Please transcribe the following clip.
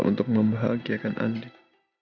untuk membahagiakan andin